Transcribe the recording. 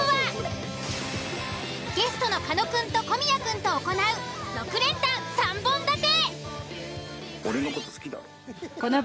ゲストの狩野くんと小宮くんと行う６連単３本立て。